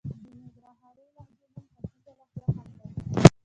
د ننګرهارۍ لهجې نوم ختيځه لهجه هم دئ.